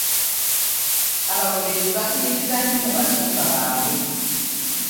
Abagoberezi bakkiririza nnyo mu basumba baabwe.